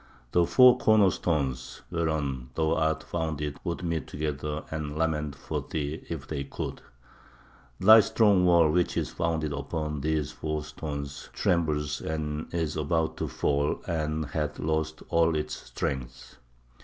"The four corner stones whereon thou art founded would meet together and lament for thee, if they could! "Thy strong wall which is founded upon these four stones trembles, and is about to fall, and hath lost all its strength.